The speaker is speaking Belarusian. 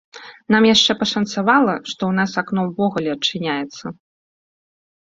Нам яшчэ пашанцавала, што ў нас акно ўвогуле адчыняецца.